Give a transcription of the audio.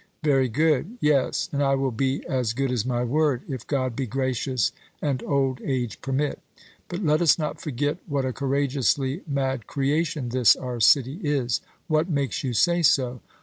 'Very good.' Yes; and I will be as good as my word, if God be gracious and old age permit. But let us not forget what a courageously mad creation this our city is. 'What makes you say so?'